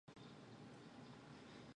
兴奋的皇帝将夜莺圈养于笼子。